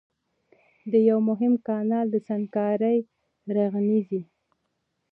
د يوه مهم کانال د سنګکارۍ رغنيزي